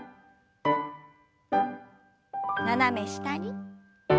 斜め下に。